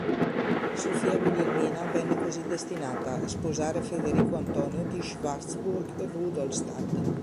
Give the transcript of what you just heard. Sofia Guglielmina venne così destinata a sposare Federico Antonio di Schwarzburg-Rudolstadt.